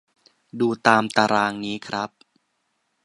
ดูตามตารางนี้ครับ